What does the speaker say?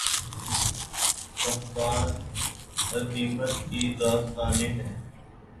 صاحبان عزیمت کی داستانیں ہیں